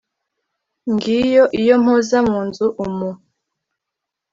ngiyo iyo mpoza mu nzu umu,